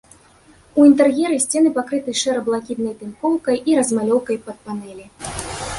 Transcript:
У інтэр'еры сцены пакрыты шэра-блакітнай тынкоўкай і размалёўкай пад панэлі.